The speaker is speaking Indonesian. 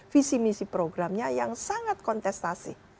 visi misi programnya yang sangat kontestasi